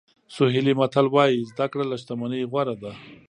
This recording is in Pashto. سوهیلي متل وایي زده کړه له شتمنۍ غوره ده.